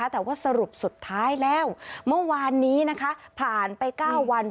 แต่ว่าสรุปสุดท้ายแล้วเมื่อวานนี้ผ่านไป๙วัน